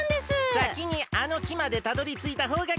さきにあのきまでたどりついたほうがかちだ。